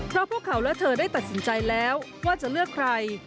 เพราะพวกเขาและเธอได้ตัดสินใจแล้วว่าจะเลือกใคร